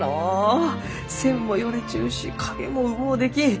線もよれちゅうし影もうもうできん！